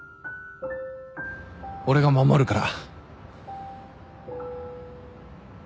俺が守るから。